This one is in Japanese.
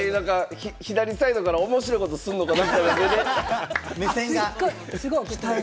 左サイドから面白いことすんのかな？って目線が。